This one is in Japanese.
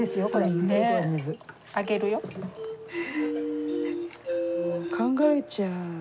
もう考えちゃう。